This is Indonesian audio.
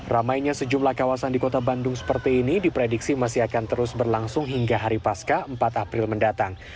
ramainya sejumlah kawasan di kota bandung seperti ini diprediksi masih akan terus berlangsung hingga hari pasca empat april mendatang